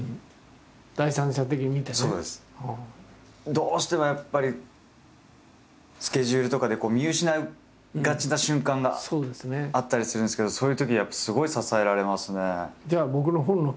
どうしてもやっぱりスケジュールとかで見失いがちな瞬間があったりするんですけどそういうときやっぱすごい支えられますね。